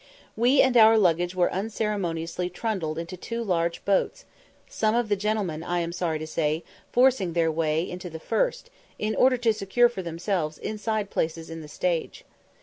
We and our luggage were unceremoniously trundled into two large boats, some of the gentlemen, I am sorry to say, forcing their way into the first, in order to secure for themselves inside places in the stage.